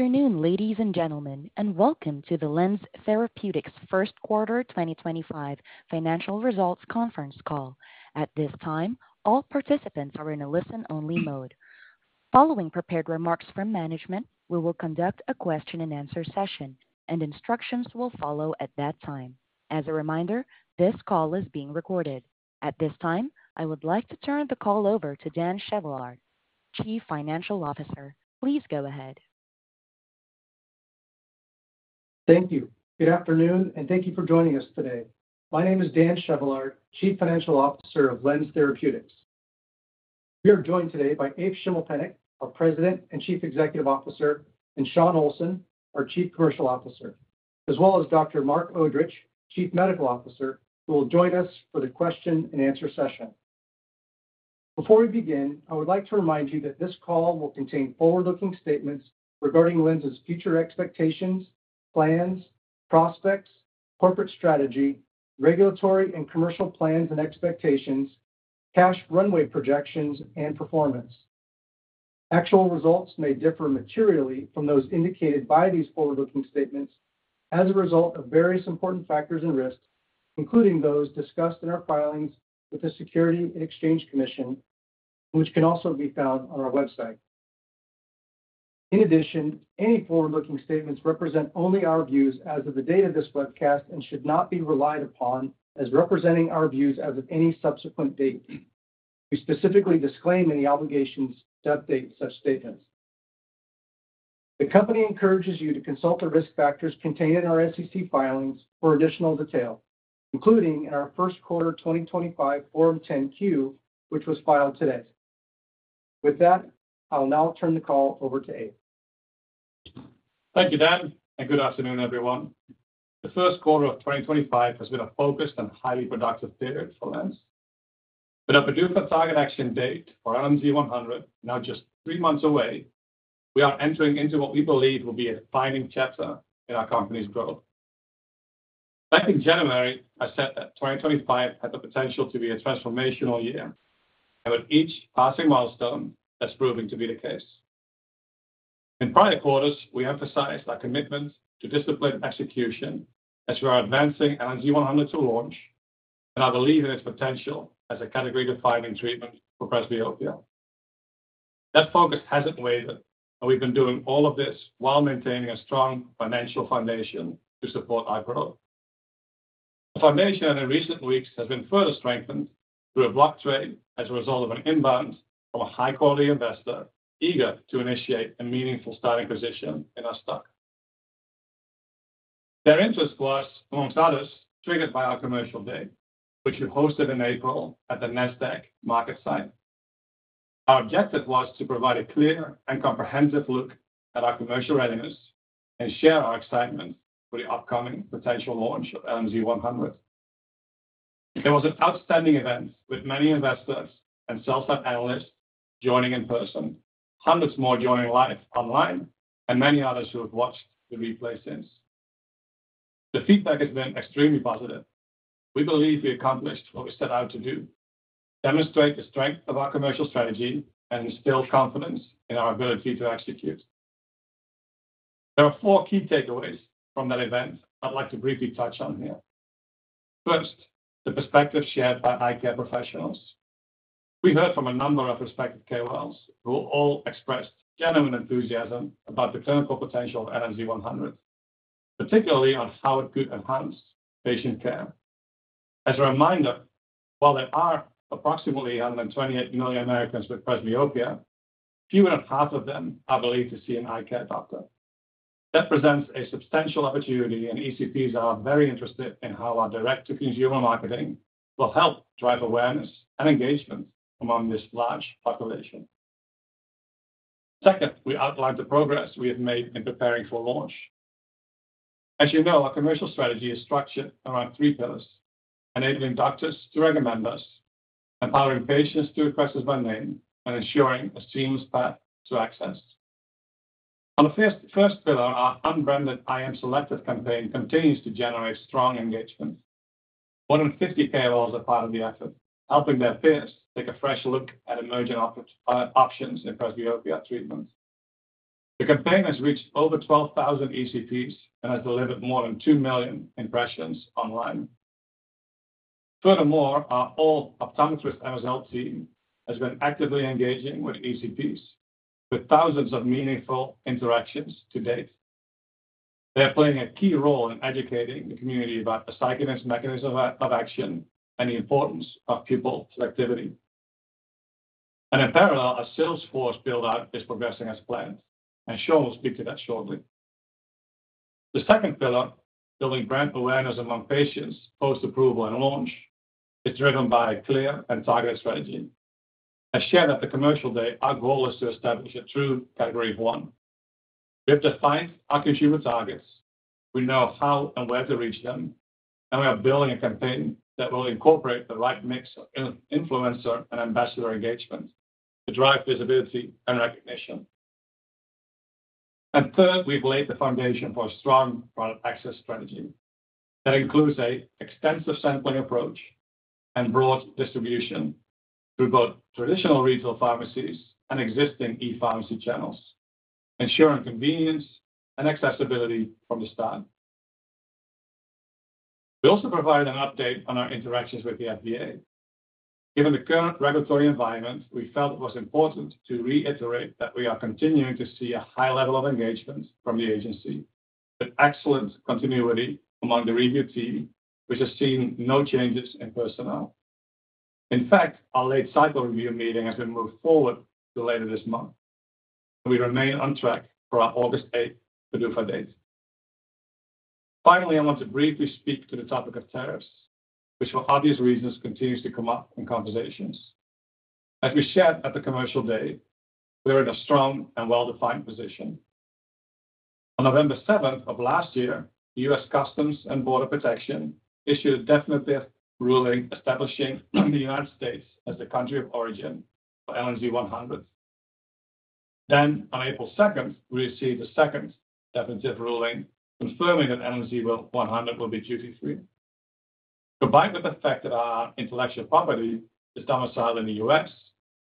Afternoon, ladies and gentlemen, and welcome to the LENZ Therapeutics first quarter 2025 financial results conference call. At this time, all participants are in a listen-only mode. Following prepared remarks from management, we will conduct a question-and-answer session, and instructions will follow at that time. As a reminder, this call is being recorded. At this time, I would like to turn the call over to Dan Chevallard, Chief Financial Officer. Please go ahead. Thank you. Good afternoon, and thank you for joining us today. My name is Dan Chevallard, Chief Financial Officer of LENZ Therapeutics. We are joined today by Eef Schimmelpennink, our President and Chief Executive Officer, and Shawn Olsson, our Chief Commercial Officer, as well as Dr. Marc Odrich, Chief Medical Officer, who will join us for the question-and-answer session. Before we begin, I would like to remind you that this call will contain forward-looking statements regarding LENZ's future expectations, plans, prospects, corporate strategy, regulatory and commercial plans and expectations, cash runway projections, and performance. Actual results may differ materially from those indicated by these forward-looking statements as a result of various important factors and risks, including those discussed in our filings with the Securities and Exchange Commission, which can also be found on our website. In addition, any forward-looking statements represent only our views as of the date of this webcast and should not be relied upon as representing our views as of any subsequent date. We specifically disclaim any obligations to update such statements. The company encourages you to consult the risk factors contained in our SEC filings for additional detail, including in our first quarter 2025 Form 10-Q, which was filed today. With that, I'll now turn the call over to Eef. Thank you, Dan, and good afternoon, everyone. The first quarter of 2025 has been a focused and highly productive period for LENZ. With our PDUFA action date for LNZ100 now just three months away, we are entering into what we believe will be a defining chapter in our company's growth. Back in January, I said that 2025 had the potential to be a transformational year, and with each passing milestone, that's proving to be the case. In prior quarters, we emphasized our commitment to disciplined execution as we are advancing LNZ100 to launch and our belief in its potential as a category-defining treatment for presbyopia. That focus hasn't wavered, and we've been doing all of this while maintaining a strong financial foundation to support our growth. The foundation in recent weeks has been further strengthened through a block trade as a result of an inbound from a high-quality investor eager to initiate a meaningful starting position in our stock. Their interest was, amongst others, triggered by our commercial day, which we hosted in April at the NASDAQ market site. Our objective was to provide a clear and comprehensive look at our commercial readiness and share our excitement for the upcoming potential launch of LNZ100. It was an outstanding event with many investors and sell-side analysts joining in person, hundreds more joining live online, and many others who have watched the replay since. The feedback has been extremely positive. We believe we accomplished what we set out to do, demonstrate the strength of our commercial strategy, and instill confidence in our ability to execute. There are four key takeaways from that event I'd like to briefly touch on here. First, the perspective shared by eye care professionals. We heard from a number of respected KOLs who all expressed genuine enthusiasm about the clinical potential of LNZ100, particularly on how it could enhance patient care. As a reminder, while there are approximately 128 million Americans with presbyopia, fewer than half of them are believed to see an eye care doctor. That presents a substantial opportunity, and ECPs are very interested in how our direct-to-consumer marketing will help drive awareness and engagement among this large population. Second, we outlined the progress we have made in preparing for launch. As you know, our commercial strategy is structured around three pillars: enabling doctors to recommend us, empowering patients to address us by name, and ensuring a seamless path to access. On the first pillar, our unbranded EYEAMSELECTIVE campaign continues to generate strong engagement. More than 50 KOLs are part of the effort, helping their peers take a fresh look at emerging options in presbyopia treatments. The campaign has reached over 12,000 ECPs and has delivered more than 2 million impressions online. Furthermore, our all-optometrist MSL team has been actively engaging with ECPs, with thousands of meaningful interactions to date. They are playing a key role in educating the community about the aceclidine mechanism of action and the importance of pupil selectivity. In parallel, our sales force build-out is progressing as planned, and Shawn will speak to that shortly. The second pillar, building brand awareness among patients post-approval and launch, is driven by a clear and targeted strategy. As shared at the commercial day, our goal is to establish a true Category 1. We have defined our consumer targets, we know how and where to reach them, and we are building a campaign that will incorporate the right mix of influencer and ambassador engagement to drive visibility and recognition. Third, we have laid the foundation for a strong product access strategy that includes an extensive sampling approach and broad distribution through both traditional retail pharmacies and existing e-pharmacy channels, ensuring convenience and accessibility from the start. We also provided an update on our interactions with the FDA. Given the current regulatory environment, we felt it was important to reiterate that we are continuing to see a high level of engagement from the agency, with excellent continuity among the review team, which has seen no changes in personnel. In fact, our late cycle review meeting has been moved forward to later this month, and we remain on track for our August 8 PDUFA date. Finally, I want to briefly speak to the topic of tariffs, which for obvious reasons continues to come up in conversations. As we shared at the commercial day, we are in a strong and well-defined position. On November 7 of last year, U.S. Customs and Border Protection issued a definitive ruling establishing the United States as the country of origin for LNZ100. Then, on April 2, we received the second definitive ruling confirming that LNZ100 will be duty-free. Combined with the fact that our intellectual property is domiciled in the U.S.,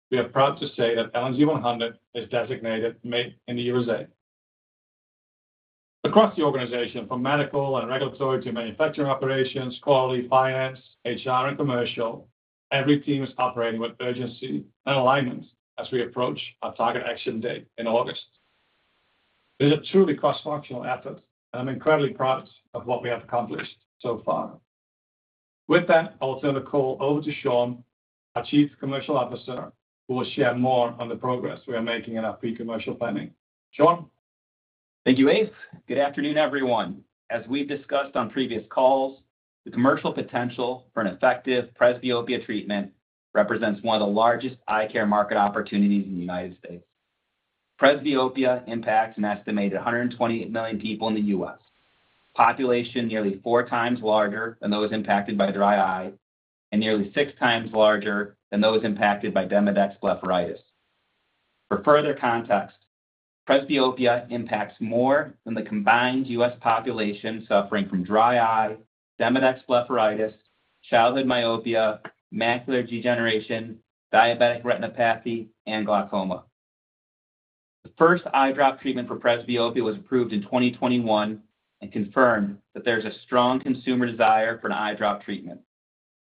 we are proud to say that LNZ100 is designated Made in the U.S.A. Across the organization, from medical and regulatory to manufacturing operations, quality, finance, HR, and commercial, every team is operating with urgency and alignment as we approach our target action date in August. These are truly cross-functional efforts, and I'm incredibly proud of what we have accomplished so far. With that, I will turn the call over to Shawn, our Chief Commercial Officer, who will share more on the progress we are making in our pre-commercial planning. Shawn. Thank you, Eef. Good afternoon, everyone. As we've discussed on previous calls, the commercial potential for an effective presbyopia treatment represents one of the largest eye care market opportunities in the United States. presbyopia impacts an estimated 128 million people in the U.S., a population nearly four times larger than those impacted by dry eye and nearly six times larger than those impacted by Demodex blepharitis. For further context, presbyopia impacts more than the combined U.S. population suffering from dry eye, Demodex blepharitis, childhood myopia, macular degeneration, diabetic retinopathy, and glaucoma. The first eye drop treatment for presbyopia was approved in 2021 and confirmed that there's a strong consumer desire for an eye drop treatment,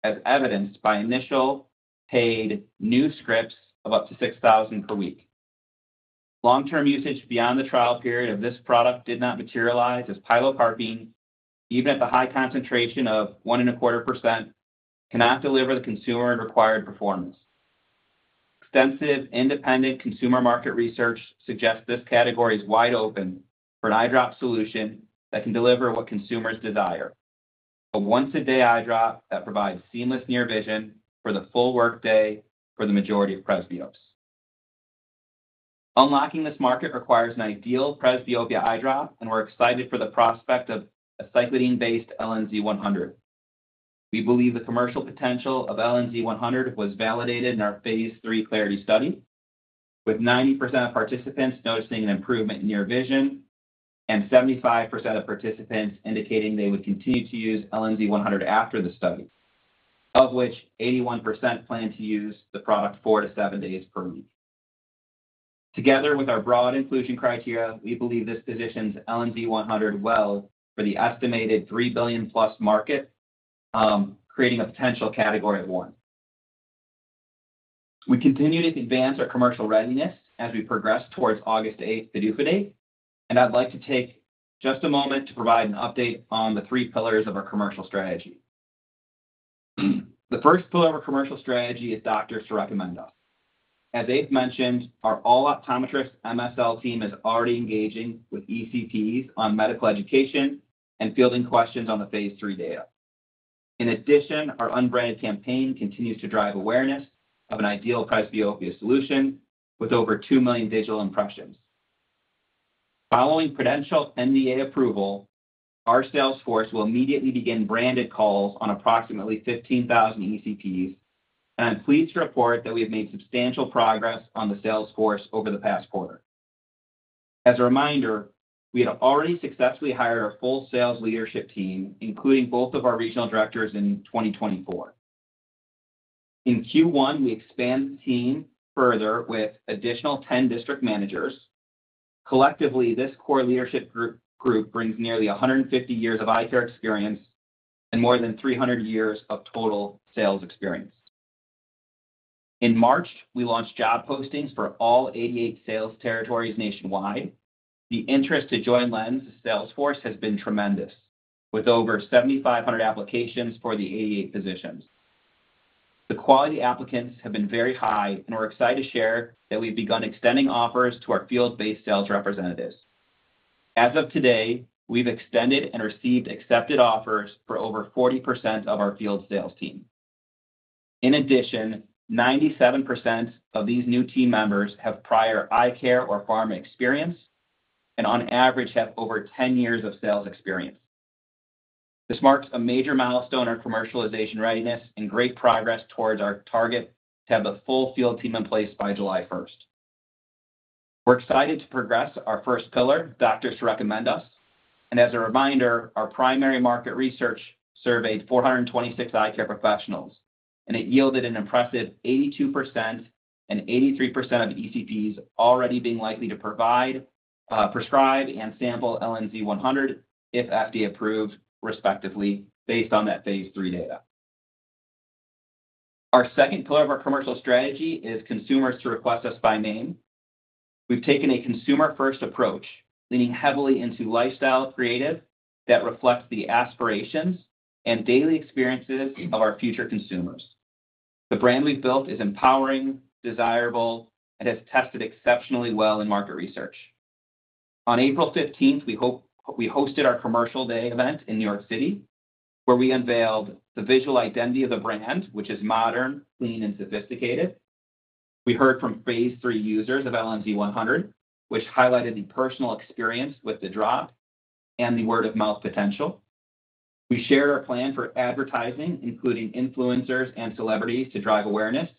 as evidenced by initial paid new scripts of up to 6,000 per week. Long-term usage beyond the trial period of this product did not materialize, as pilocarpine, even at the high concentration of 1.25%, cannot deliver the consumer-required performance. Extensive independent consumer market research suggests this category is wide open for an eye drop solution that can deliver what consumers desire: a once-a-day eye drop that provides seamless near vision for the full workday for the majority of presbyopes. Unlocking this market requires an ideal presbyopia eye drop, and we're excited for the prospect of an aceclidine-based LNZ100. We believe the commercial potential of LNZ100 was validated in our phase III CLARITY study, with 90% of participants noticing an improvement in near vision and 75% of participants indicating they would continue to use LNZ100 after the study, of which 81% plan to use the product four to seven days per week. Together with our broad inclusion criteria, we believe this positions LNZ100 well for the estimated $3 billion-plus market, creating a potential Category 1. We continue to advance our commercial readiness as we progress towards August 8 PDUFA date, and I'd like to take just a moment to provide an update on the three pillars of our commercial strategy. The first pillar of our commercial strategy is doctors to recommend us. As Eef mentioned, our all-optometrist MSL team is already engaging with ECPs on medical education and fielding questions on the phase III data. In addition, our unbranded campaign continues to drive awareness of an ideal presbyopia solution with over 2 million digital impressions. Following credentialed NDA approval, our sales force will immediately begin branded calls on approximately 15,000 ECPs, and I'm pleased to report that we have made substantial progress on the sales force over the past quarter. As a reminder, we had already successfully hired our full sales leadership team, including both of our regional directors in 2024. In Q1, we expanded the team further with an additional 10 district managers. Collectively, this core leadership group brings nearly 150 years of eye care experience and more than 300 years of total sales experience. In March, we launched job postings for all 88 sales territories nationwide. The interest to join LENZ's sales force has been tremendous, with over 7,500 applications for the 88 positions. The quality applicants have been very high, and we're excited to share that we've begun extending offers to our field-based sales representatives. As of today, we've extended and received accepted offers for over 40% of our field sales team. In addition, 97% of these new team members have prior eye care or pharma experience and, on average, have over 10 years of sales experience. This marks a major milestone in our commercialization readiness and great progress towards our target to have the full field team in place by July 1. We're excited to progress our first pillar, doctors to recommend us, and as a reminder, our primary market research surveyed 426 eye care professionals, and it yielded an impressive 82% and 83% of ECPs already being likely to provide, prescribe, and sample LNZ100 if FDA approved, respectively, based on that phase III data. Our second pillar of our commercial strategy is consumers to request us by name. We've taken a consumer-first approach, leaning heavily into lifestyle creative that reflects the aspirations and daily experiences of our future consumers. The brand we've built is empowering, desirable, and has tested exceptionally well in market research. On April 15th, we hosted our commercial day event in New York City, where we unveiled the visual identity of the brand, which is modern, clean, and sophisticated. We heard from phase III users of LNZ100, which highlighted the personal experience with the drop and the word-of-mouth potential. We shared our plan for advertising, including influencers and celebrities, to drive awareness.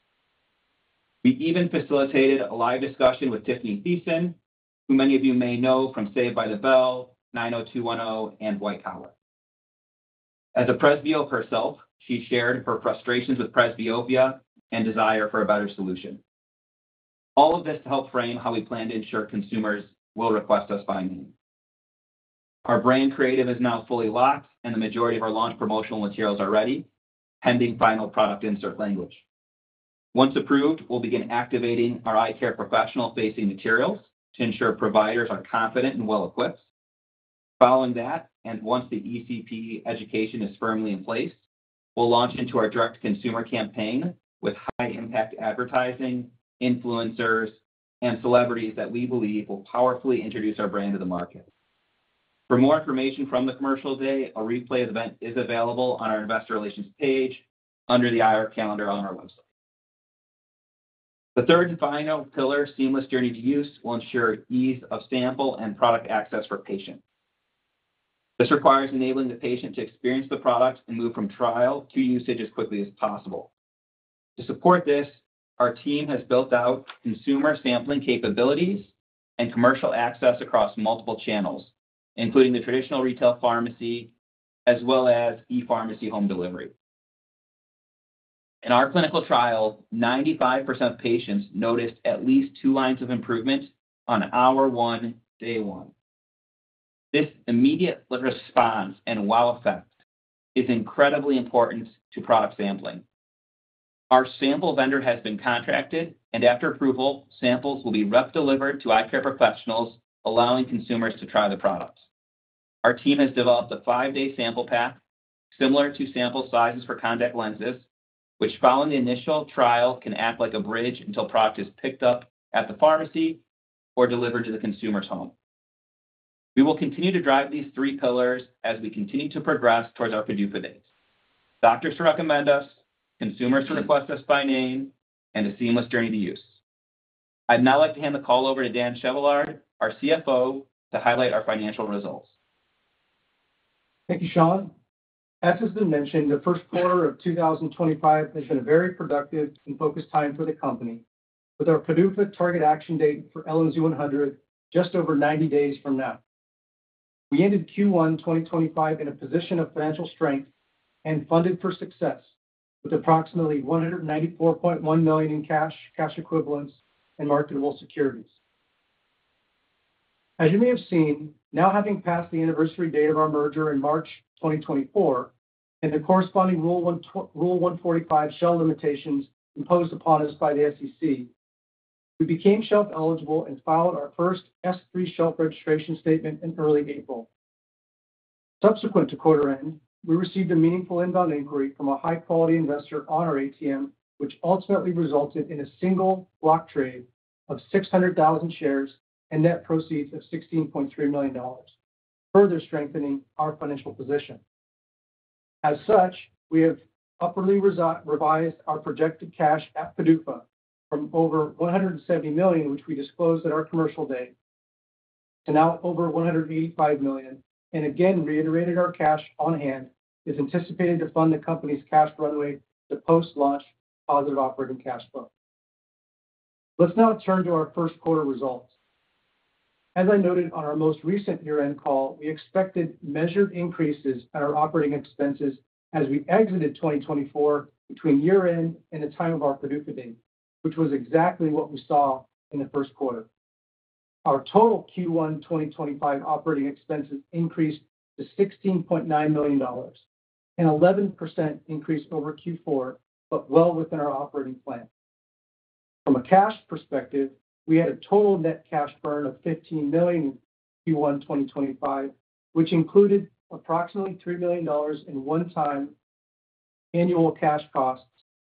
We even facilitated a live discussion with Tiffani Thiessen, who many of you may know from Saved by the Bell, 90210, and White Collar. As a presbyop herself, she shared her frustrations with presbyopia and desire for a better solution. All of this to help frame how we plan to ensure consumers will request us by name. Our brand creative is now fully locked, and the majority of our launch promotional materials are ready, pending final product insert language. Once approved, we'll begin activating our eye care professional-facing materials to ensure providers are confident and well-equipped. Following that, and once the ECP education is firmly in place, we'll launch into our direct-to-consumer campaign with high-impact advertising, influencers, and celebrities that we believe will powerfully introduce our brand to the market. For more information from the commercial day, a replay of the event is available on our investor relations page under the IR calendar on our website. The third and final pillar, seamless journey to use, will ensure ease of sample and product access for patients. This requires enabling the patient to experience the product and move from trial to usage as quickly as possible. To support this, our team has built out consumer sampling capabilities and commercial access across multiple channels, including the traditional retail pharmacy as well as e-pharmacy home delivery. In our clinical trial, 95% of patients noticed at least two lines of improvement on hour one, day one. This immediate response and wow effect is incredibly important to product sampling. Our sample vendor has been contracted, and after approval, samples will be rep-delivered to eye care professionals, allowing consumers to try the products. Our team has developed a five-day sample pack similar to sample sizes for contact lenses, which, following the initial trial, can act like a bridge until product is picked up at the pharmacy or delivered to the consumer's home. We will continue to drive these three pillars as we continue to progress towards our PDUFA dates: doctors to recommend us, consumers to request us by name, and a seamless journey to use. I'd now like to hand the call over to Dan Chevallard, our CFO, to highlight our financial results. Thank you, Shawn. As has been mentioned, the first quarter of 2025 has been a very productive and focused time for the company, with our PDUFA target action date for LNZ100 just over 90 days from now. We ended Q1 2025 in a position of financial strength and funded for success, with approximately $194.1 million in cash, cash equivalents, and marketable securities. As you may have seen, now having passed the anniversary date of our merger in March 2024 and the corresponding Rule 145 shelf limitations imposed upon us by the SEC, we became shelf eligible and filed our first S-3 shelf registration statement in early April. Subsequent to quarter end, we received a meaningful inbound inquiry from a high-quality investor on our ATM, which ultimately resulted in a single block trade of 600,000 shares and net proceeds of $16.3 million, further strengthening our financial position. As such, we have upwardly revised our projected cash at PDUFA from over $170 million, which we disclosed at our commercial day, to now over $185 million, and again reiterated our cash on hand is anticipated to fund the company's cash runway to post-launch positive operating cash flow. Let's now turn to our first quarter results. As I noted on our most recent year-end call, we expected measured increases in our operating expenses as we exited 2024 between year-end and the time of our PDUFA date, which was exactly what we saw in the first quarter. Our total Q1 2025 operating expenses increased to $16.9 million, an 11% increase over Q4, but well within our operating plan. From a cash perspective, we had a total net cash burn of $15 million in Q1 2025, which included approximately $3 million in one-time annual cash costs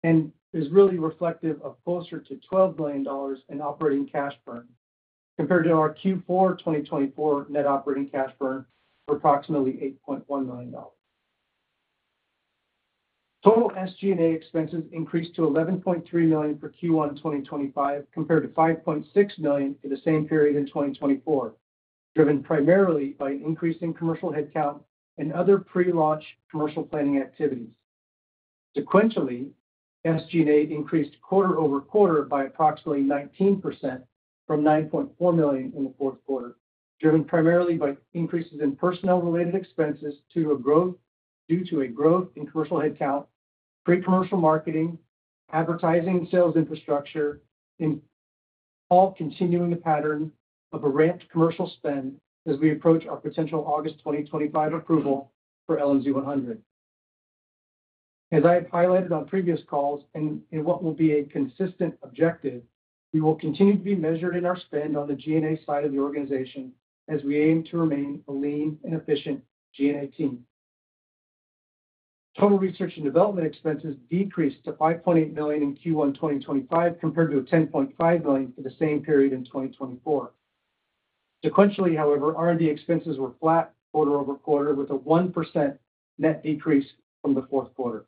and is really reflective of closer to $12 million in operating cash burn compared to our Q4 2024 net operating cash burn for approximately $8.1 million. Total SG&A expenses increased to $11.3 million for Q1 2025 compared to $5.6 million for the same period in 2024, driven primarily by an increase in commercial headcount and other pre-launch commercial planning activities. Sequentially, SG&A increased quarter over quarter by approximately 19% from $9.4 million in the fourth quarter, driven primarily by increases in personnel-related expenses due to a growth in commercial headcount, pre-commercial marketing, advertising, and sales infrastructure, all continuing the pattern of a ramped commercial spend as we approach our potential August 2025 approval for LNZ100. As I have highlighted on previous calls and in what will be a consistent objective, we will continue to be measured in our spend on the G&A side of the organization as we aim to remain a lean and efficient G&A team. Total research and development expenses decreased to $5.8 million in Q1 2025 compared to $10.5 million for the same period in 2024. Sequentially, however, R&D expenses were flat quarter over quarter, with a 1% net decrease from the fourth quarter.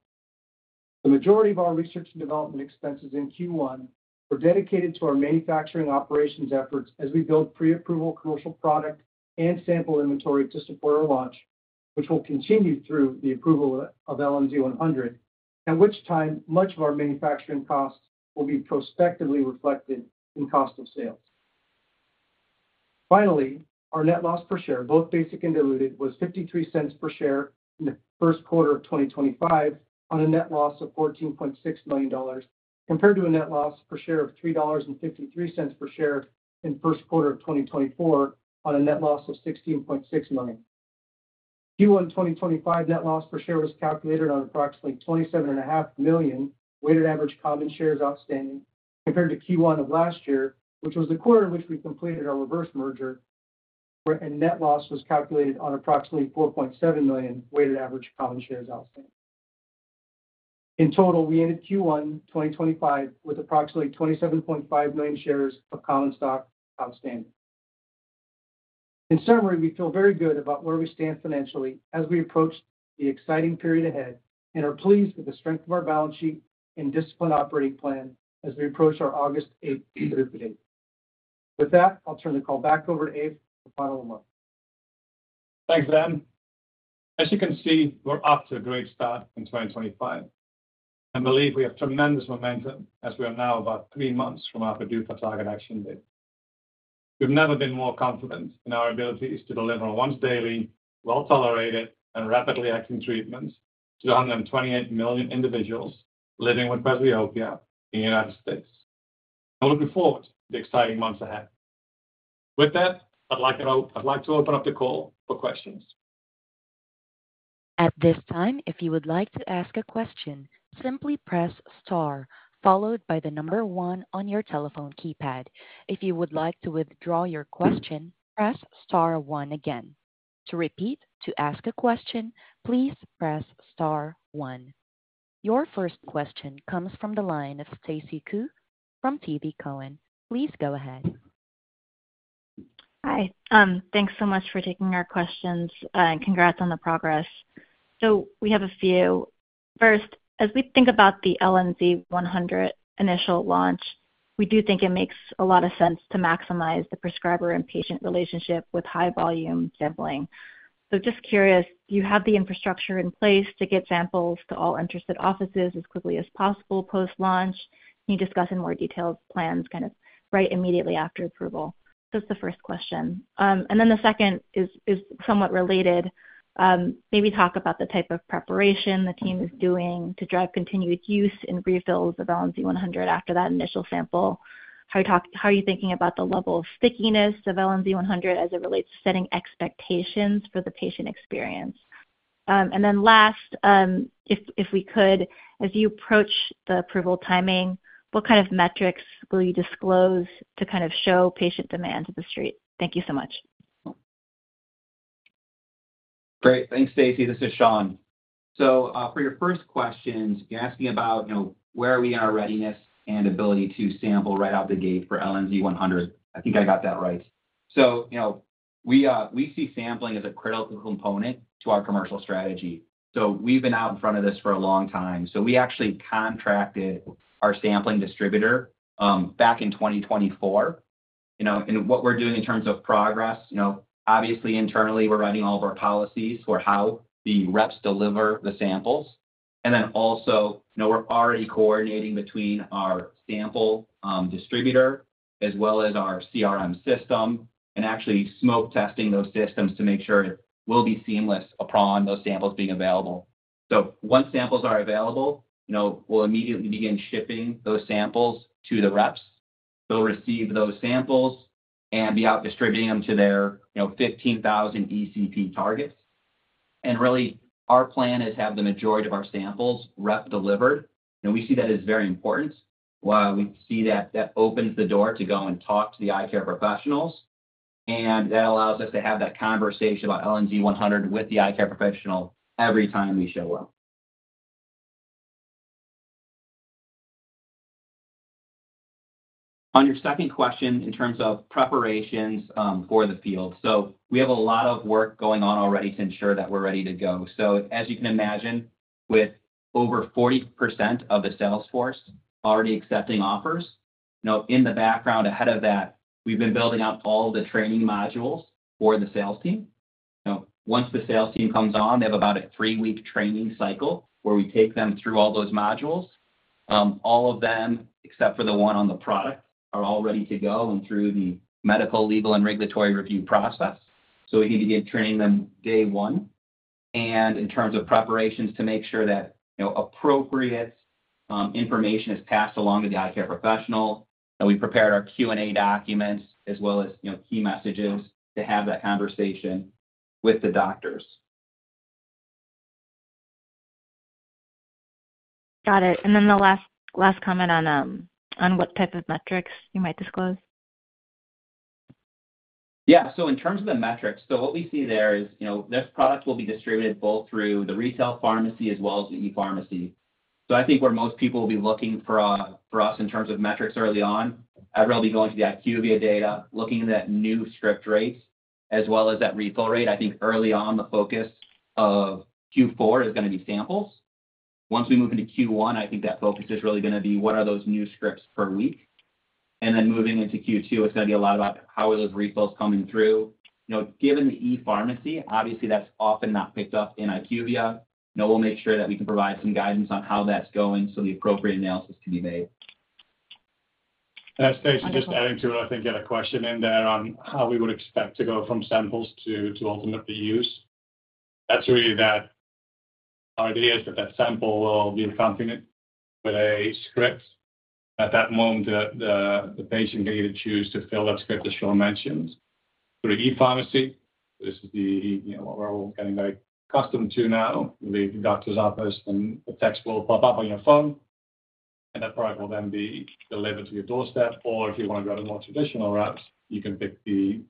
The majority of our research and development expenses in Q1 were dedicated to our manufacturing operations efforts as we build pre-approval commercial product and sample inventory to support our launch, which will continue through the approval of LNZ100, at which time much of our manufacturing costs will be prospectively reflected in cost of sales. Finally, our net loss per share, both basic and diluted, was $0.53 per share in the first quarter of 2025 on a net loss of $14.6 million compared to a net loss per share of $3.53 per share in the first quarter of 2024 on a net loss of $16.6 million. Q1 2025 net loss per share was calculated on approximately 27.5 million weighted average common shares outstanding compared to Q1 of last year, which was the quarter in which we completed our reverse merger, where a net loss was calculated on approximately 4.7 million weighted average common shares outstanding. In total, we ended Q1 2025 with approximately 27.5 million shares of common stock outstanding. In summary, we feel very good about where we stand financially as we approach the exciting period ahead and are pleased with the strength of our balance sheet and disciplined operating plan as we approach our August 8 PDUFA date. With that, I'll turn the call back over to Eef for the final remarks. Thanks, Dan. As you can see, we're off to a great start in 2025. I believe we have tremendous momentum as we are now about three months from our PDUFA target action date. We've never been more confident in our abilities to deliver once daily, well-tolerated, and rapidly acting treatments to 128 million individuals living with presbyopia in the United States. I'm looking forward to the exciting months ahead. With that, I'd like to open up the call for questions. At this time, if you would like to ask a question, simply press star followed by the number one on your telephone keypad. If you would like to withdraw your question, press star one again. To repeat, to ask a question, please press star one. Your first question comes from the line of Stacy Ku from TD Cowen. Please go ahead. Hi. Thanks so much for taking our questions, and congrats on the progress. We have a few. First, as we think about the LNZ100 initial launch, we do think it makes a lot of sense to maximize the prescriber and patient relationship with high-volume sampling. Just curious, do you have the infrastructure in place to get samples to all interested offices as quickly as possible post-launch? Can you discuss in more detail plans kind of right immediately after approval? That is the first question. The second is somewhat related. Maybe talk about the type of preparation the team is doing to drive continued use and refills of LNZ100 after that initial sample. How are you thinking about the level of stickiness of LNZ100 as it relates to setting expectations for the patient experience? Last, if we could, as you approach the approval timing, what kind of metrics will you disclose to kind of show patient demand to the street? Thank you so much. Great. Thanks, Stacy. This is Shawn. For your first question, you're asking about where are we in our readiness and ability to sample right out the gate for LNZ100. I think I got that right. We see sampling as a critical component to our commercial strategy. We've been out in front of this for a long time. We actually contracted our sampling distributor back in 2024. What we're doing in terms of progress, obviously, internally, we're writing all of our policies for how the reps deliver the samples. We're already coordinating between our sample distributor as well as our CRM system and actually smoke testing those systems to make sure it will be seamless upon those samples being available. Once samples are available, we'll immediately begin shipping those samples to the reps. They'll receive those samples and be out distributing them to their 15,000 ECP targets. Our plan is to have the majority of our samples rep-delivered. We see that as very important. We see that opens the door to go and talk to the eye care professionals. That allows us to have that conversation about LNZ100 with the eye care professional every time we show up. On your second question in terms of preparations for the field, we have a lot of work going on already to ensure that we're ready to go. As you can imagine, with over 40% of the salesforce already accepting offers, in the background ahead of that, we've been building out all the training modules for the sales team. Once the sales team comes on, they have about a three-week training cycle where we take them through all those modules. All of them, except for the one on the product, are all ready to go and through the medical, legal, and regulatory review process. We need to get training them day one. In terms of preparations to make sure that appropriate information is passed along to the eye care professional, we prepared our Q&A documents as well as key messages to have that conversation with the doctors. Got it. Then the last comment on what type of metrics you might disclose? Yeah. In terms of the metrics, what we see there is next product will be distributed both through the retail pharmacy as well as the e-pharmacy. I think where most people will be looking for us in terms of metrics early on, I'd really be going to the IQVIA data, looking at new script rates as well as that refill rate. I think early on, the focus of Q4 is going to be samples. Once we move into Q1, I think that focus is really going to be what are those new scripts per week. Moving into Q2, it's going to be a lot about how are those refills coming through. Given the e-pharmacy, obviously, that's often not picked up in IQVIA. We'll make sure that we can provide some guidance on how that's going so the appropriate analysis can be made. Stacy, just adding to it, I think you had a question in there on how we would expect to go from samples to ultimately use. That really, that idea is that that sample will be accompanied with a script. At that moment, the patient can either choose to fill that script as Shawn mentioned. For the e-pharmacy, this is what we're all getting very accustomed to now. You leave the doctor's office, and the text will pop up on your phone, and that product will then be delivered to your doorstep. If you want to go to more traditional reps, you can pick the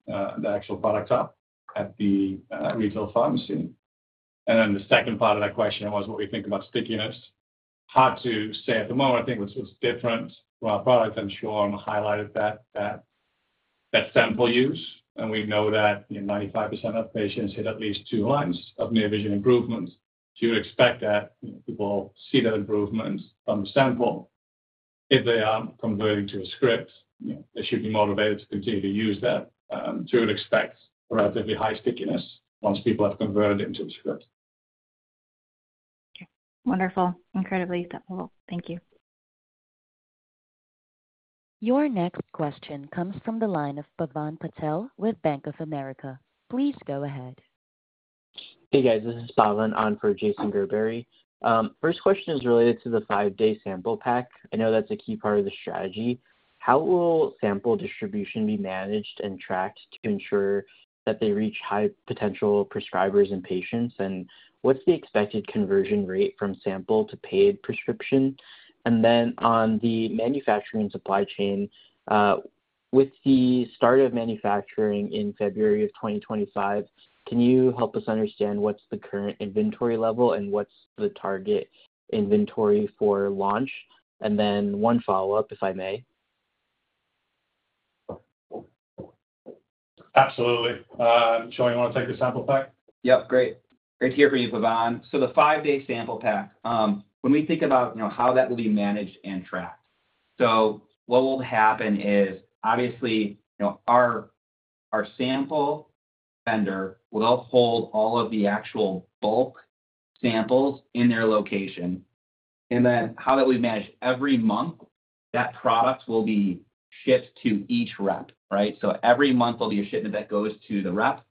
actual product up at the retail pharmacy. The second part of that question was what we think about stickiness. Hard to say at the moment. I think it's different from our product. I'm sure I'm highlighted that sample use. We know that 95% of patients hit at least two lines of near vision improvement. You would expect that people see that improvement from the sample. If they are converting to a script, they should be motivated to continue to use that. You would expect relatively high stickiness once people have converted into a script. Okay. Wonderful. Incredibly acceptable. Thank you. Your next question comes from the line of Pavan Patel with Bank of America. Please go ahead. Hey, guys. This is Pavan on for Jason Gerberry. First question is related to the five-day sample pack. I know that's a key part of the strategy. How will sample distribution be managed and tracked to ensure that they reach high potential prescribers and patients? What's the expected conversion rate from sample to paid prescription? On the manufacturing and supply chain, with the start of manufacturing in February of 2025, can you help us understand what's the current inventory level and what's the target inventory for launch? One follow-up, if I may. Absolutely. Shawn, you want to take the sample pack? Yep. Great. Great to hear from you, Bhavan. The five-day sample pack, when we think about how that will be managed and tracked, what will happen is, obviously, our sample vendor will hold all of the actual bulk samples in their location. How that will be managed, every month, that product will be shipped to each rep, right? Every month, there'll be a shipment that goes to the rep.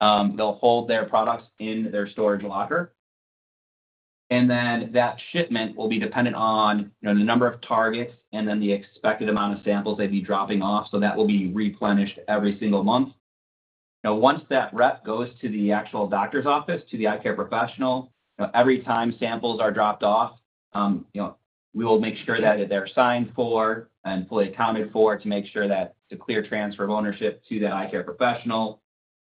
They'll hold their products in their storage locker. That shipment will be dependent on the number of targets and then the expected amount of samples they'd be dropping off. That will be replenished every single month. Now, once that rep goes to the actual doctor's office, to the eye care professional, every time samples are dropped off, we will make sure that they're signed for and fully accounted for to make sure that it's a clear transfer of ownership to that eye care professional.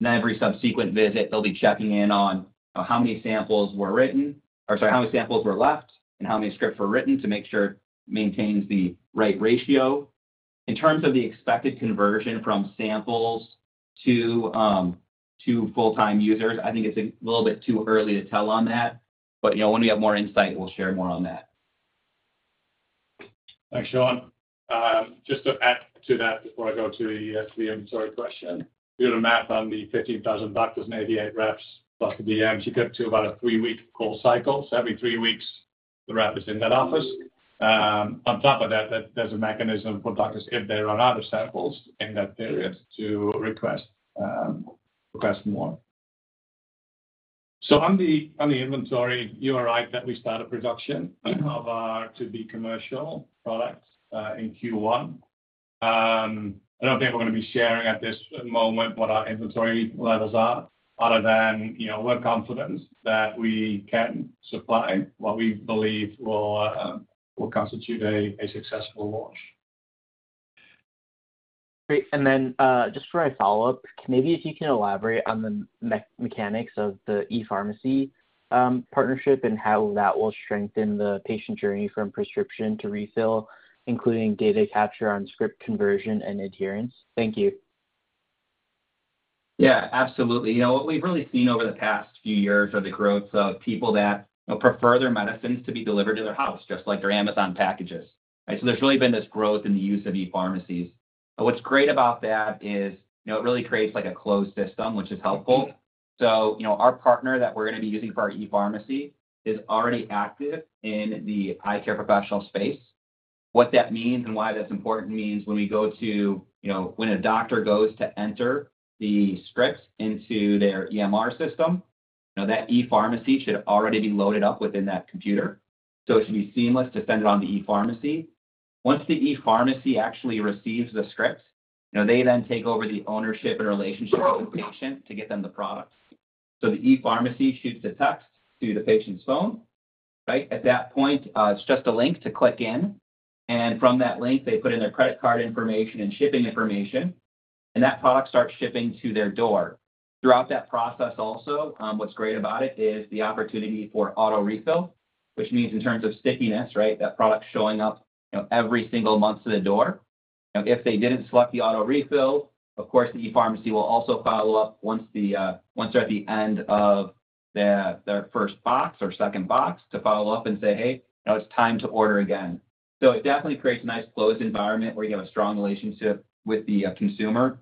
Every subsequent visit, they'll be checking in on how many samples were left and how many scripts were written to make sure it maintains the right ratio. In terms of the expected conversion from samples to full-time users, I think it's a little bit too early to tell on that. When we have more insight, we'll share more on that. Thanks, Shawn. Just to add to that before I go to the inventory question, we have a map on the 15,000 doctors and 88 reps plus the DMs. You get to about a three-week call cycle. Every three weeks, the rep is in that office. On top of that, there's a mechanism for doctors, if they run out of samples in that period, to request more. On the inventory, you were right that we started production of our to-be commercial product in Q1. I do not think we're going to be sharing at this moment what our inventory levels are other than we're confident that we can supply what we believe will constitute a successful launch. Great. For a follow-up, maybe if you can elaborate on the mechanics of the e-pharmacy partnership and how that will strengthen the patient journey from prescription to refill, including data capture on script conversion and adherence. Thank you. Yeah, absolutely. What we've really seen over the past few years are the growth of people that prefer their medicines to be delivered to their house, just like their Amazon packages. There's really been this growth in the use of e-pharmacies. What's great about that is it really creates a closed system, which is helpful. Our partner that we're going to be using for our e-pharmacy is already active in the eye care professional space. What that means and why that's important means when we go to when a doctor goes to enter the scripts into their EMR system, that e-pharmacy should already be loaded up within that computer. It should be seamless to send it on to the e-pharmacy. Once the e-pharmacy actually receives the scripts, they then take over the ownership and relationship with the patient to get them the products. The e-pharmacy shoots a text to the patient's phone, right? At that point, it's just a link to click in. From that link, they put in their credit card information and shipping information, and that product starts shipping to their door. Throughout that process, also, what's great about it is the opportunity for auto-refill, which means in terms of stickiness, right, that product showing up every single month to the door. If they didn't select the auto-refill, of course, the e-pharmacy will also follow up once they're at the end of their first box or second box to follow up and say, "Hey, it's time to order again." It definitely creates a nice closed environment where you have a strong relationship with the consumer.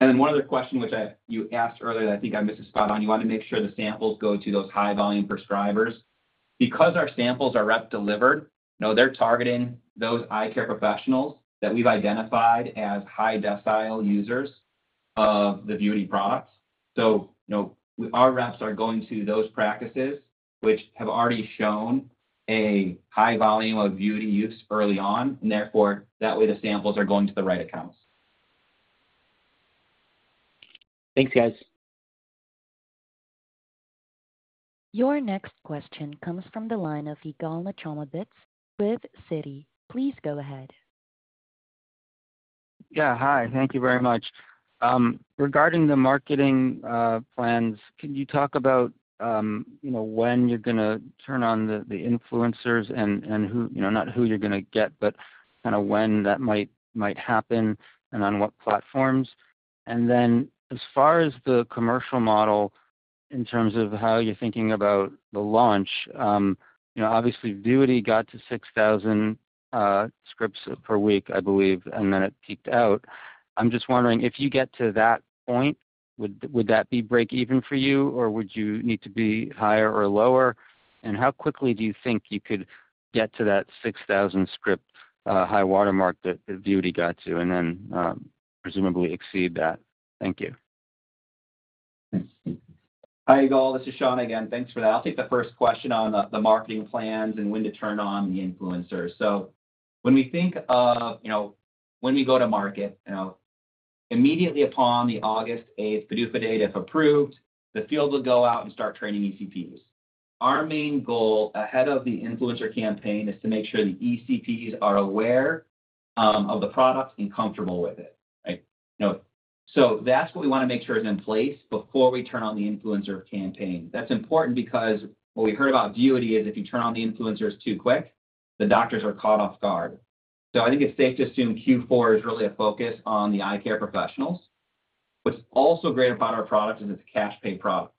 One other question, which you asked earlier, and I think I missed a spot on. You want to make sure the samples go to those high-volume prescribers. Because our samples are rep-delivered, they're targeting those eye care professionals that we've identified as high-dosile users of the Vuity products. Our reps are going to those practices, which have already shown a high volume of Vuity use early on. Therefore, that way, the samples are going to the right accounts. Thanks, guys. Your next question comes from the line of Yigal Nochomovitz with Citi. Please go ahead. Yeah. Hi. Thank you very much. Regarding the marketing plans, can you talk about when you're going to turn on the influencers and not who you're going to get, but kind of when that might happen and on what platforms? As far as the commercial model, in terms of how you're thinking about the launch, obviously, Vuity got to 6,000 scripts per week, I believe, and then it peaked out. I'm just wondering, if you get to that point, would that be break-even for you, or would you need to be higher or lower? How quickly do you think you could get to that 6,000-script high watermark that Vuity got to and then presumably exceed that? Thank you. Hi, Yigal. This is Shawn again. Thanks for that. I'll take the first question on the marketing plans and when to turn on the influencers. When we think of when we go to market, immediately upon the August 8 PDUFA date, if approved, the field will go out and start training ECPs. Our main goal ahead of the influencer campaign is to make sure the ECPs are aware of the product and comfortable with it, right? That's what we want to make sure is in place before we turn on the influencer campaign. That's important because what we heard about Vuity is if you turn on the influencers too quick, the doctors are caught off guard. I think it's safe to assume Q4 is really a focus on the eye care professionals. What's also great about our product is it's a cash-pay product.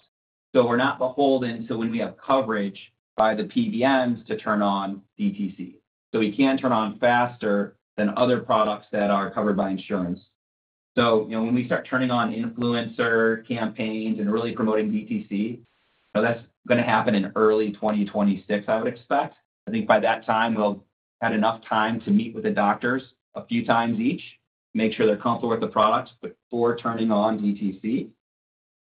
We're not beholden to when we have coverage by the PBMs to turn on DTC. We can turn on faster than other products that are covered by insurance. When we start turning on influencer campaigns and really promoting DTC, that's going to happen in early 2026, I would expect. I think by that time, we'll have enough time to meet with the doctors a few times each, make sure they're comfortable with the product before turning on DTC.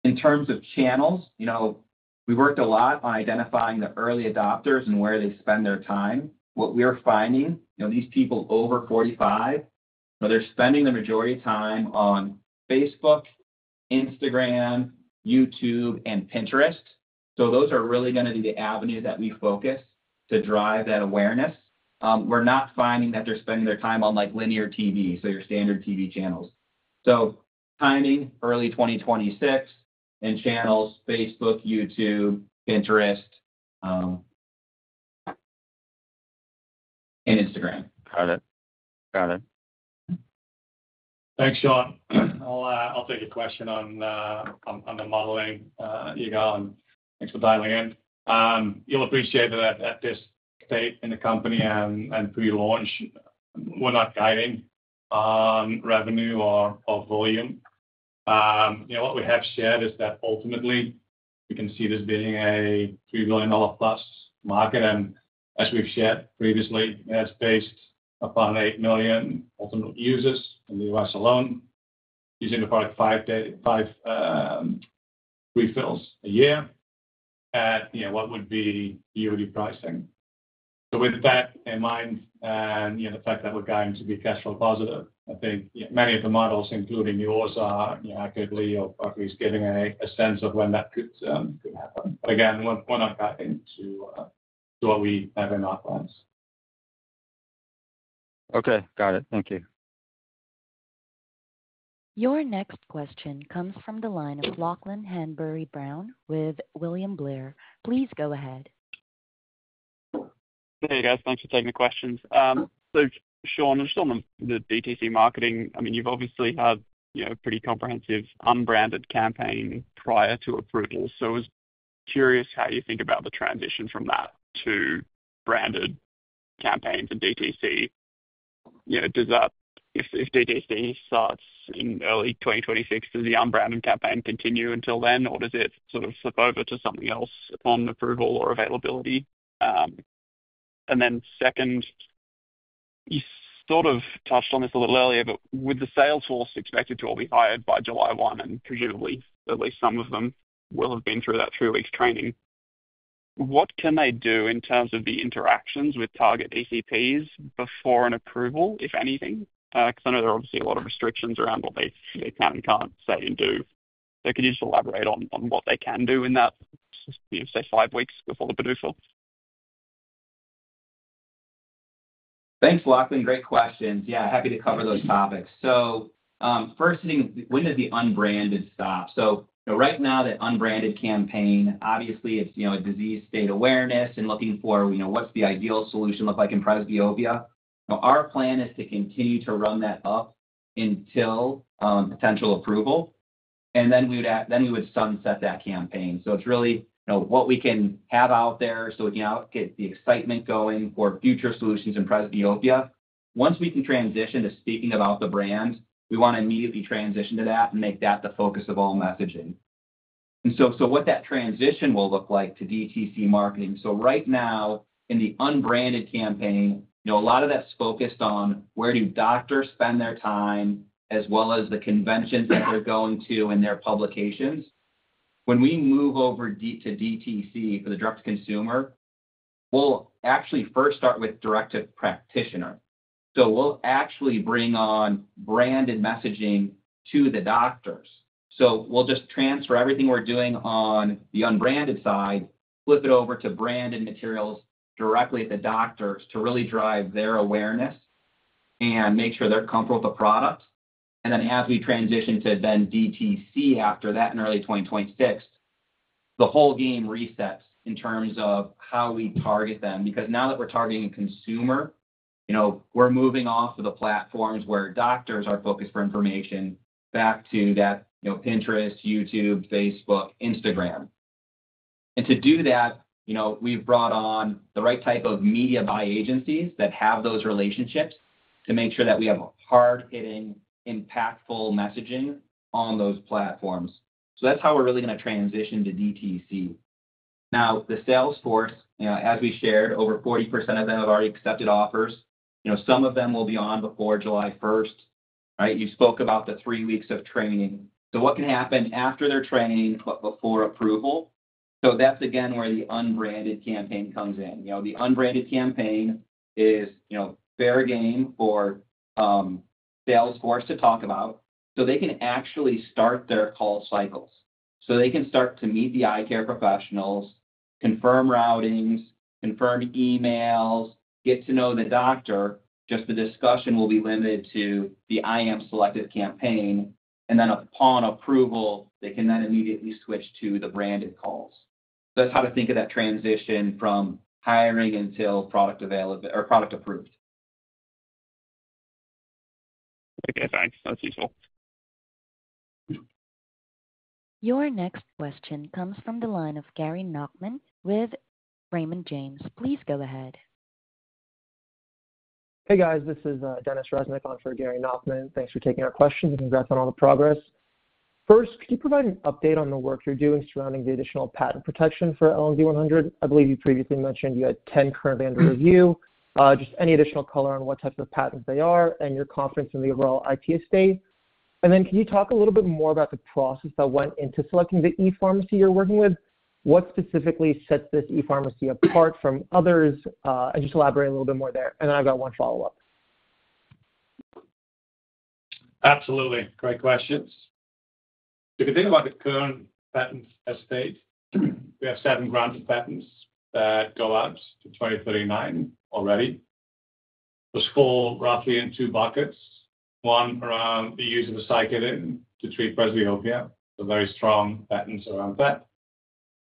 In terms of channels, we worked a lot on identifying the early adopters and where they spend their time. What we're finding, these people over 45, they're spending the majority of time on Facebook, Instagram, YouTube, and Pinterest. Those are really going to be the avenues that we focus to drive that awareness. We're not finding that they're spending their time on linear TV, so your standard TV channels. So timing, early 2026, and channels Facebook, YouTube, Pinterest, and Instagram. Got it. Got it. Thanks, Shawn. I'll take a question on the modeling, Yigal, and thanks for dialing in. You'll appreciate that at this stage in the company and pre-launch, we're not guiding on revenue or volume. What we have shared is that ultimately, we can see this being a $3 billion-plus market. As we've shared previously, it's based upon 8 million ultimate users in the U.S. alone, using the product five refills a year. What would be Vuity pricing? With that in mind and the fact that we're going to be cash flow positive, I think many of the models, including yours, are actively or at least giving a sense of when that could happen. Again, we're not guiding to what we have in our plans. Okay. Got it. Thank you. Your next question comes from the line of Lachlan Hanbury-Brown with William Blair. Please go ahead. Hey, guys. Thanks for taking the questions. Shawn, just on the DTC marketing, I mean, you've obviously had a pretty comprehensive unbranded campaign prior to approval. I was curious how you think about the transition from that to branded campaigns and DTC. If DTC starts in early 2026, does the unbranded campaign continue until then, or does it sort of slip over to something else upon approval or availability? Second, you sort of touched on this a little earlier, but with the sales force expected to all be hired by July 1, and presumably, at least some of them will have been through that three-week training, what can they do in terms of the interactions with target ECPs before an approval, if anything? I know there are obviously a lot of restrictions around what they can and can't say and do. Could you just elaborate on what they can do in that, say, five weeks before the PDUFA? Thanks, Lachlan. Great questions. Yeah, happy to cover those topics. First thing, when does the unbranded stop? Right now, the unbranded campaign, obviously, it's disease state awareness and looking for what's the ideal solution look like in presbyopia. Our plan is to continue to run that up until potential approval, and then we would sunset that campaign. It's really what we can have out there so we can get the excitement going for future solutions in presbyopia. Once we can transition to speaking about the brand, we want to immediately transition to that and make that the focus of all messaging. What that transition will look like to DTC marketing. Right now, in the unbranded campaign, a lot of that's focused on where do doctors spend their time as well as the conventions that they're going to in their publications. When we move over to DTC for the direct-to-consumer, we'll actually first start with direct-to-practitioner. We'll actually bring on branded messaging to the doctors. We'll just transfer everything we're doing on the unbranded side, flip it over to branded materials directly at the doctors to really drive their awareness and make sure they're comfortable with the product. As we transition to then DTC after that in early 2026, the whole game resets in terms of how we target them. Because now that we're targeting a consumer, we're moving off of the platforms where doctors are focused for information back to that Pinterest, YouTube, Facebook, Instagram. To do that, we've brought on the right type of media buy agencies that have those relationships to make sure that we have hard-hitting, impactful messaging on those platforms. That's how we're really going to transition to DTC. Now, the sales force, as we shared, over 40% of them have already accepted offers. Some of them will be on before July 1, right? You spoke about the three weeks of training. What can happen after their training but before approval? That is, again, where the unbranded campaign comes in. The unbranded campaign is fair game for sales force to talk about. They can actually start their call cycles. They can start to meet the eye care professionals, confirm routings, confirm emails, get to know the doctor. The discussion will be limited to the EYEAMSELECTIVE campaign. Upon approval, they can then immediately switch to the branded calls. That is how to think of that transition from hiring until product approved. Okay. Thanks. That's useful. Your next question comes from the line of Gary Nachman with Raymond James. Please go ahead. Hey, guys. This is Denis Reznik on for Gary Nachman. Thanks for taking our questions and congrats on all the progress. First, could you provide an update on the work you're doing surrounding the additional patent protection for LNZ100? I believe you previously mentioned you had 10 currently under review. Just any additional color on what types of patents they are and your confidence in the overall IP estate? Can you talk a little bit more about the process that went into selecting the e-pharmacy you're working with? What specifically sets this e-pharmacy apart from others? Just elaborate a little bit more there. I've got one follow-up. Absolutely. Great questions. If you think about the current patent estate, we have seven granted patents that go out to 2039 already. It was four roughly in two buckets. One around the use of a psychedelic to treat presbyopia. It's a very strong patent around that.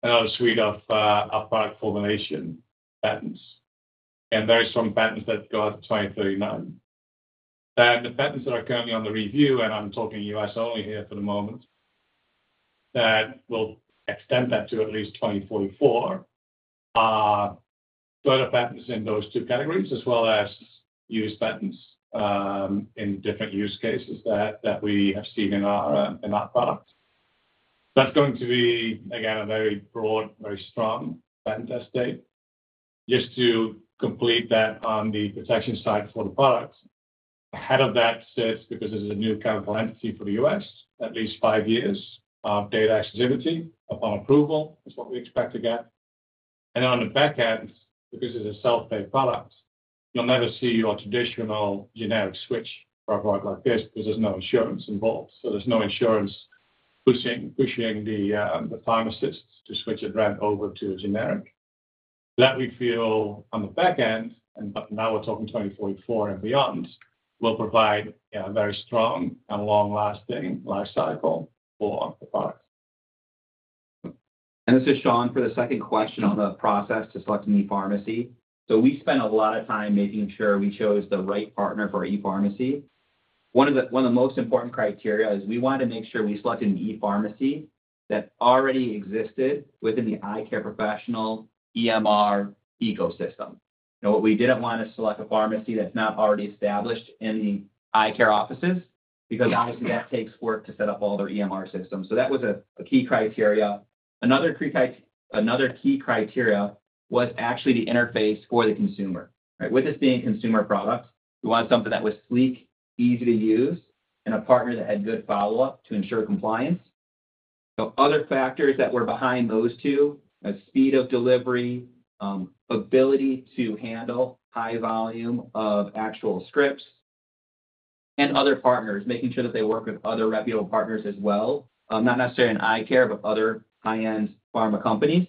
Another suite of product formulation patents. And very strong patents that go out to 2039. Then the patents that are currently under review, and I'm talking U.S. only here for the moment, that will extend that to at least 2044. Further patents in those two categories as well as use patents in different use cases that we have seen in our product. That's going to be, again, a very broad, very strong patent estate. Just to complete that on the protection side for the product, ahead of that sits because this is a new chemical entity for the U.S., at least five years of data exclusivity upon approval is what we expect to get. On the back end, because this is a self-pay product, you'll never see your traditional generic switch for a product like this because there's no insurance involved. There's no insurance pushing the pharmacist to switch a brand over to a generic. That we feel on the back end, and now we're talking 2044 and beyond, will provide a very strong and long-lasting life cycle for the product. This is Shawn for the second question on the process to select an e-pharmacy. We spent a lot of time making sure we chose the right partner for e-pharmacy. One of the most important criteria is we wanted to make sure we selected an e-pharmacy that already existed within the eye care professional EMR ecosystem. What we did not want is to select a pharmacy that is not already established in the eye care offices because obviously that takes work to set up all their EMR systems. That was a key criteria. Another key criteria was actually the interface for the consumer, right? With this being a consumer product, we wanted something that was sleek, easy to use, and a partner that had good follow-up to ensure compliance. Other factors that were behind those two, a speed of delivery, ability to handle high volume of actual scripts, and other partners, making sure that they work with other reputable partners as well, not necessarily in eye care, but other high-end pharma companies.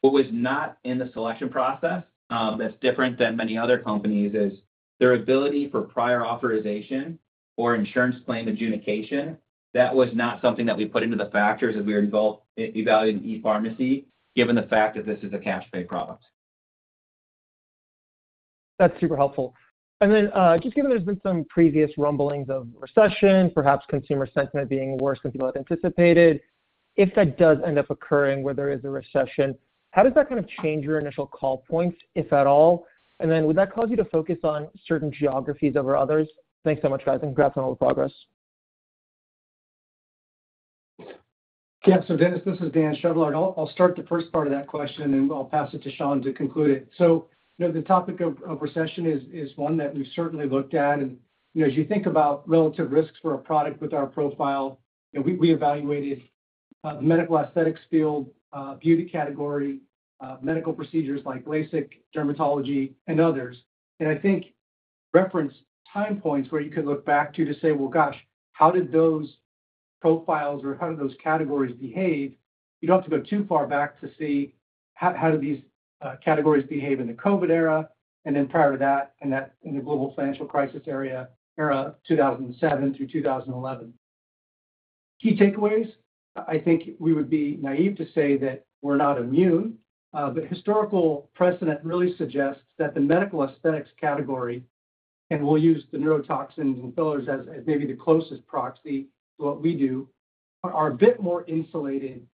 What was not in the selection process that is different than many other companies is their ability for prior authorization or insurance claim adjudication. That was not something that we put into the factors as we were evaluating e-pharmacy, given the fact that this is a cash-pay product. That's super helpful. Just given there's been some previous rumblings of recession, perhaps consumer sentiment being worse than people had anticipated, if that does end up occurring where there is a recession, how does that kind of change your initial call points, if at all? Would that cause you to focus on certain geographies over others? Thanks so much, guys. Congrats on all the progress. Yeah. Denis, this is Dan Chevallard. I'll start the first part of that question, and I'll pass it to Shawn to conclude it. The topic of recession is one that we've certainly looked at. As you think about relative risks for a product with our profile, we evaluated the medical aesthetics field, beauty category, medical procedures like LASIK, dermatology, and others. I think reference time points where you could look back to to say, "Gosh, how did those profiles or how did those categories behave?" You don't have to go too far back to see how these categories behaved in the COVID era and then prior to that in the global financial crisis era 2007 through 2011. Key takeaways, I think we would be naive to say that we're not immune, but historical precedent really suggests that the medical aesthetics category, and we'll use the neurotoxins and fillers as maybe the closest proxy to what we do, are a bit more insulated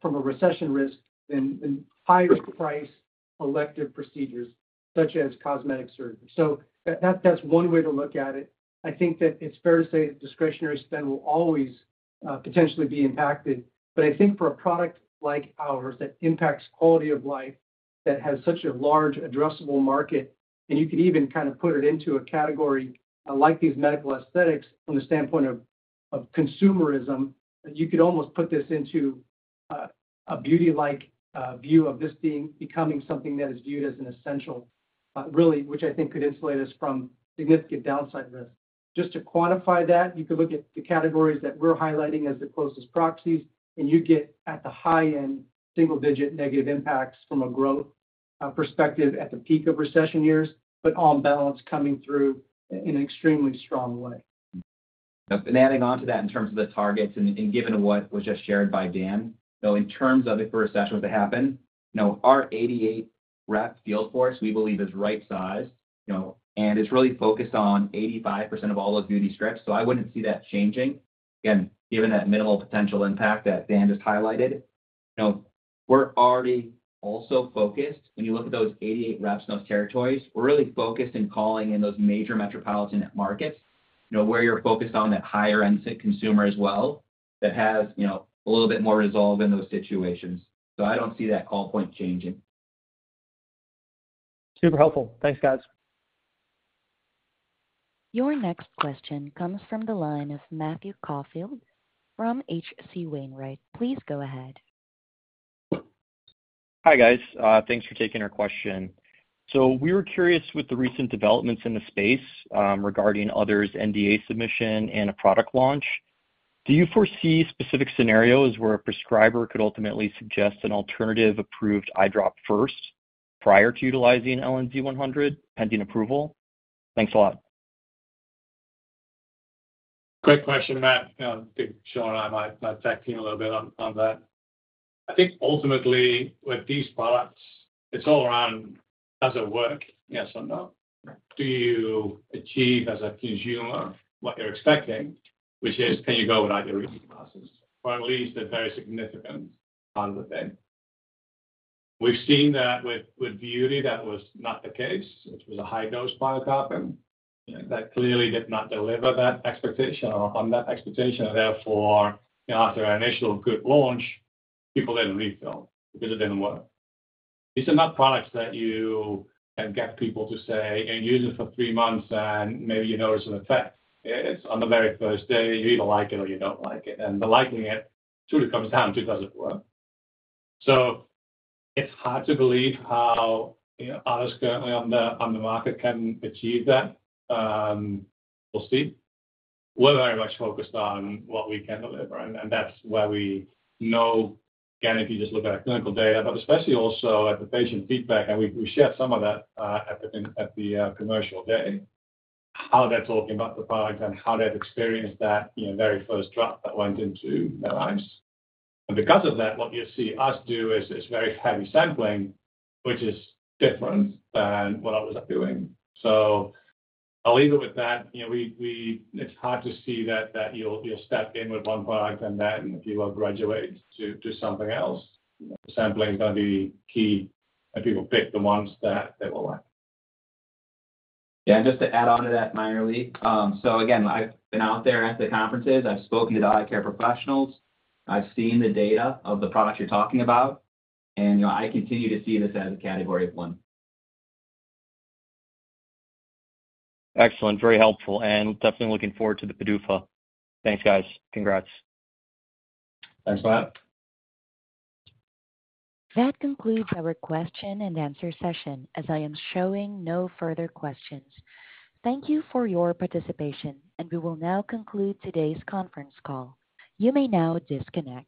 from a recession risk than higher-priced elective procedures such as cosmetic surgery. That is one way to look at it. I think that it's fair to say discretionary spend will always potentially be impacted. I think for a product like ours that impacts quality of life, that has such a large addressable market, and you could even kind of put it into a category like these medical aesthetics from the standpoint of consumerism, you could almost put this into a beauty-like view of this becoming something that is viewed as an essential, really, which I think could insulate us from significant downside risk. Just to quantify that, you could look at the categories that we're highlighting as the closest proxies, and you get at the high-end single-digit negative impacts from a growth perspective at the peak of recession years, but on balance, coming through in an extremely strong way. Adding on to that in terms of the targets and given what was just shared by Dan, in terms of if a recession were to happen, our 88-reps field force, we believe, is right-sized, and it's really focused on 85% of all those Vuity scripts. I wouldn't see that changing. Again, given that minimal potential impact that Dan just highlighted, we're already also focused. When you look at those 88 reps in those territories, we're really focused in calling in those major metropolitan markets where you're focused on that higher-end consumer as well that has a little bit more resolve in those situations. I don't see that call point changing. Super helpful. Thanks, guys. Your next question comes from the line of Matthew Caufield from HC Wainwright. Please go ahead. Hi, guys. Thanks for taking our question. So we were curious with the recent developments in the space regarding others' NDA submission and a product launch. Do you foresee specific scenarios where a prescriber could ultimately suggest an alternative-approved eye drop first prior to utilizing LNZ100 pending approval? Thanks a lot. Great question, Matt. Shawn and I might back in a little bit on that. I think ultimately, with these products, it's all around, does it work? Yes or no? Do you achieve as a consumer what you're expecting, which is, can you go without your reading glasses? Or at least a very significant part of the thing. We've seen that with Vuity, that was not the case, which was a high-dose pilocarpine. That clearly did not deliver that expectation or on that expectation. Therefore, after our initial good launch, people didn't refill because it didn't work. These are not products that you can get people to say, "You can use it for three months, and maybe you notice an effect." It's on the very first day. You either like it or you don't like it. The liking it truly comes down to, does it work? It's hard to believe how others currently on the market can achieve that. We'll see. We're very much focused on what we can deliver. That's where we know, again, if you just look at our clinical data, but especially also at the patient feedback, and we shared some of that at the commercial day, how they're talking about the product and how they've experienced that very first drop that went into their eyes. Because of that, what you see us do is very heavy sampling, which is different than what others are doing. I'll leave it with that. It's hard to see that you'll step in with one product and then people will graduate to something else. Sampling is going to be key, and people pick the ones that they will like. Yeah. And just to add on to that. So again, I've been out there at the conferences. I've spoken to the eye care professionals. I've seen the data of the products you're talking about. And I continue to see this as a category of one. Excellent. Very helpful. Definitely looking forward to the PDUFA. Thanks, guys. Congrats. Thanks, Matt. That concludes our question and answer session as I am showing no further questions. Thank you for your participation, and we will now conclude today's conference call. You may now disconnect.